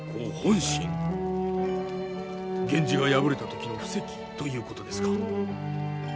源氏が敗れた時の布石ということですか？